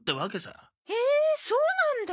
へえそうなんだ。